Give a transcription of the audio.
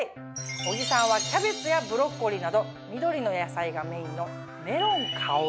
小木さんはキャベツやブロッコリーなど緑の野菜がメインの。